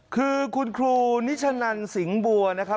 คือคุณครูนิชนันสิงห์บัวนะครับ